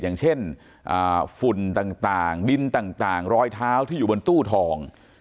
อย่างเช่นฝุ่นต่างดินต่างรอยเท้าที่อยู่บนตู้ทอง